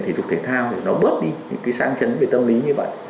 thí dục thể thao để nó bớt đi những cái sáng chấn về tâm lý như vậy